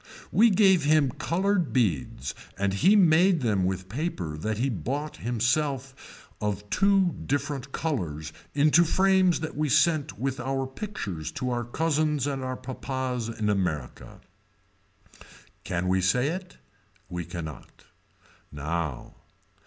We gave him colored beads and he made them with paper that he bought himself of two different colors into frames that we sent with our pictures to our cousins and our papas in America. Can we say it. We cannot. Now.